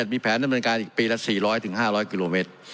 มีแผนดำเนินการอีกปีละ๔๐๐๕๐๐กิโลเมตร